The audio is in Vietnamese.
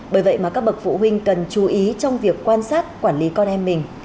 bởi vậy mà các bậc phụ huynh cần chú ý trong việc quan sát quản lý con em mình